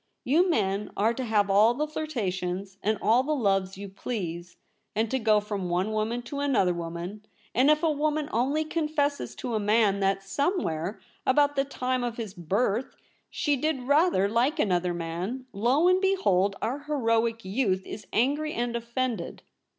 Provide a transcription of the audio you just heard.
You men are to have all the flirtations and all the loves you please, and to go from one woman to another woman ; and if a woman only confesses to a man that somewhere about the time of his birth she did rather like another man, lo and behold, our heroic youth is angry and offended.'